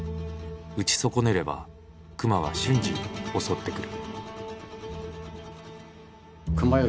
撃ち損ねれば熊は瞬時に襲ってくる。